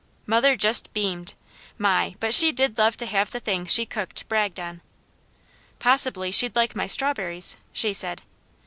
Mother just beamed. My! but she did love to have the things she cooked, bragged on. "Possibly she'd like my strawberries?" she said.